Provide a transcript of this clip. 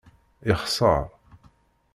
Yexṣeṛ.